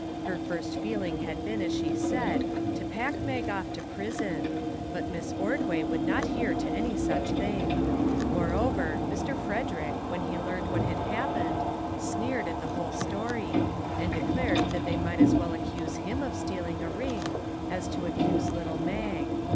Her first feeling had been, as she said, to "pack Mag off to prison," but Miss Ordway would not hear to any such thing; moreover, Mr. Frederick, when he learned what had happened, sneered at the whole story, and declared that they might as well accuse him of stealing a ring as to accuse lit tle Mag.